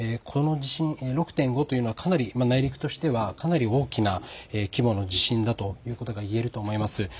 ６．５というのはかなり内陸としては大きな規模の地震だということが言えると思います。